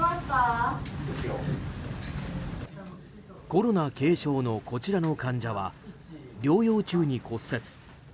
コロナ軽症のこちらの患者は療養中に骨折。